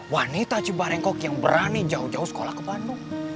wanita cibarengkok yang berani jauh jauh sekolah ke bandung